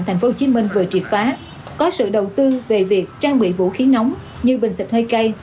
thành phố hồ chí minh vừa triệt phá có sự đầu tư về việc trang bị vũ khí nóng như bình sạch hơi cây